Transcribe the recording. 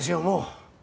もう。